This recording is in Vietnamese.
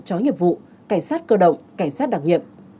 cho nhiệm vụ cảnh sát cơ động cảnh sát đặc nhiệm